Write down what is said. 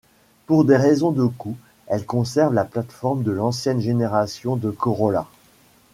Pour des raisons de coûts, elle conserve la plate-forme de l'ancienne génération de Corolla.